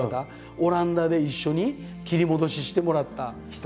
オランダで一緒に切り戻ししてもらった方。